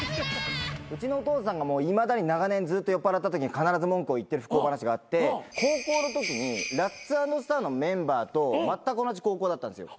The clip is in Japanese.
うちのお父さんがいまだに長年ずっと酔っぱらったときに必ず文句を言ってる不幸話があって高校のときにラッツ＆スターのメンバーとまったく同じ高校だったんすよ。